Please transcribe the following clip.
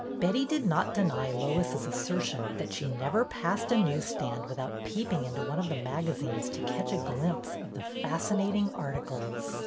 Betty did not deny Lois's assertion that she never passed a news stand without peeping into one of the magazines to catch a glimpse of the fascinating articles.